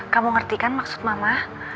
kamu ngerti kan maksud mama